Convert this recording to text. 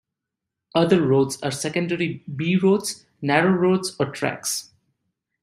Other roads are secondary B roads, narrow roads or tracks.